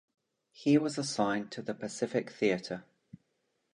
He was assigned to the Pacific Theater.